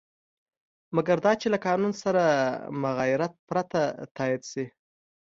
مګر دا چې له قانون سره مغایرت پرته تایید شي.